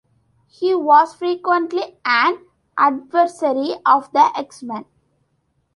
He was frequently an adversary of the X-Men.